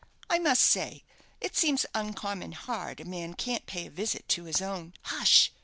I must say it seems uncommon hard a man can't pay a visit to his own " "Hush!"